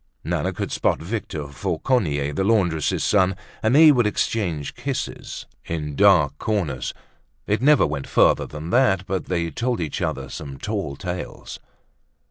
Nana could spot Victor Fauconnier, the laundress's son and they would exchange kisses in dark corners. It never went farther than that, but they told each other some tall tales.